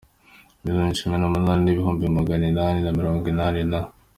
miliyoni cumi n‟umunani n‟ibihumbi magana inani na mirongo inani na